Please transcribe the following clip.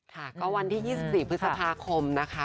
ค่ะก็วันที่๒๔พฤษภาคมนะคะ